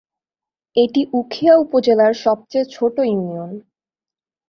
এটি উখিয়া উপজেলার সবচেয়ে ছোট ইউনিয়ন।